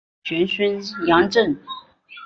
玄孙杨震。